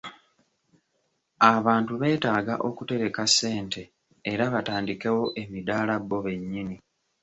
Abantu beetaaga okutereka ssente era batandikewo emidaala bo bennyini.